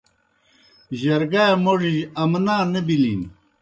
جرگائے موڙِجیْ امنا نہ بِلِن۔